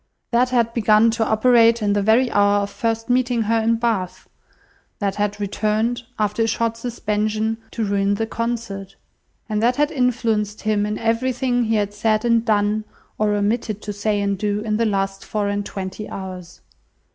That had begun to operate in the very hour of first meeting her in Bath; that had returned, after a short suspension, to ruin the concert; and that had influenced him in everything he had said and done, or omitted to say and do, in the last four and twenty hours.